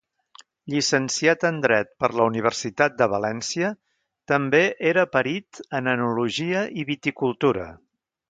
Llicenciat en dret per la Universitat de València, també era perit en Enologia i Viticultura.